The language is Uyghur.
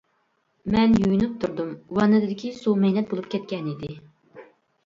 مەن يۇيۇنۇپ تۇردۇم، ۋاننىدىكى سۇ مەينەت بولۇپ كەتكەن ئىدى.